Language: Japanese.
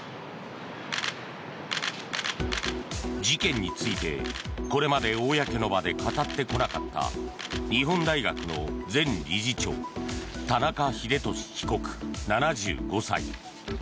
事件について、これまで公の場で語ってこなかった日本大学の前理事長田中英寿被告、７５歳。